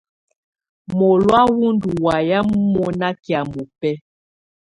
Mɔlɔ̀á wù ndù wamɛ̀á mɔna kɛ̀́á mɔbɛ̀á.